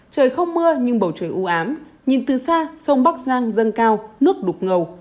trời không mưa nhưng bầu trời ưu ám nhìn từ xa sông bắc giang dâng cao nước đục ngầu